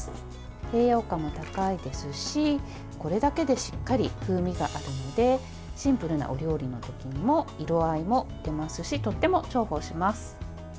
栄養価も高いですし、これだけでしっかり風味があるのでシンプルなお料理の時にも色合いも出ますしとても重宝します。